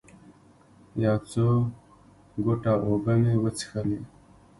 یو څو ګوټه اوبه مې وڅښلې.